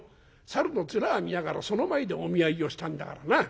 猿の面見ながらその前でお見合いをしたんだからな。